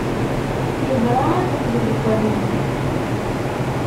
Nebra i ṭṭbel deg waman.